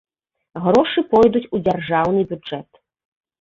Грошы пойдуць у дзяржаўны бюджэт.